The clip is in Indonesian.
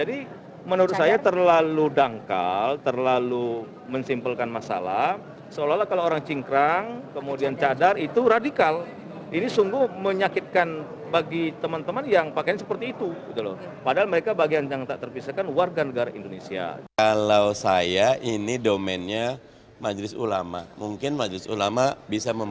intervensi atas ranah privat warga negara